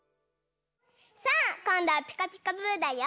さあこんどは「ピカピカブ！」だよ！